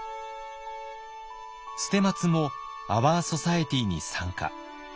捨松もアワー・ソサエティに参加。